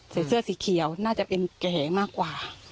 เสื้อสีเขียวน่าจะเป็นแก่มากกว่า